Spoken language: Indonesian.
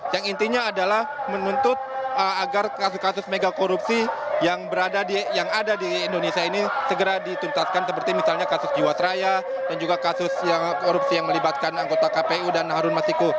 yang intinya adalah menuntut agar kasus kasus mega korupsi yang ada di indonesia ini segera dituntaskan seperti misalnya kasus jiwasraya dan juga kasus yang korupsi yang melibatkan anggota kpu dan harun masiku